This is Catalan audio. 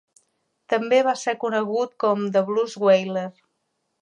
També va ser conegut com "the Blues Wailer".